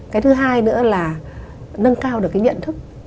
cái thứ hai nữa là nâng cao được cái nhận thức